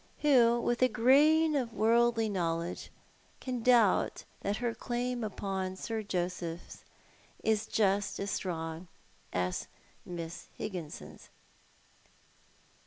AVho, with a grain of worldly knowledge, can doubt that her claim upon Sir JoseiA is just as strong as Miss Higginson's